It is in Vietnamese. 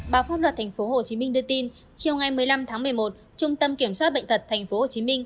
báo pháp luật tp hcm đưa tin chiều ngày một mươi năm tháng một mươi một trung tâm kiểm soát bệnh tật tp hcm